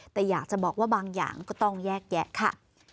แต่อยากจะบอกว่าบางอย่างก็ต้องแยกแยะค่ะ